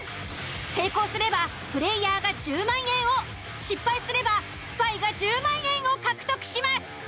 成功すればプレイヤーが１０万円を失敗すればスパイが１０万円を獲得します。